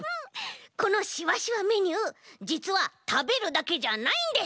このしわしわメニューじつはたべるだけじゃないんです。